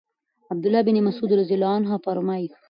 عَبْد الله بن مسعود رضی الله عنه فرمايي: